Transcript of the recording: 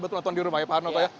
betul betul di rumah ya pak noko ya